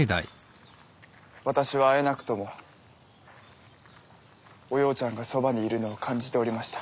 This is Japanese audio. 私は会えなくともおようちゃんがそばにいるのを感じておりました。